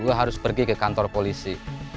ya saya harus pergi ke kantor polisi